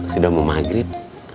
sudah mau maghrib